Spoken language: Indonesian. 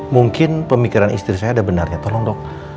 mungkin pemikiran istri saya ada benarnya tolong dong